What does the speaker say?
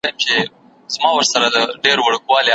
د کور احترام وکړه چي مينه زياته سي او فضا ښه پاته سي هميشه .